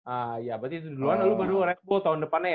ah ya berarti itu duluan lu baru repo tahun depannya ya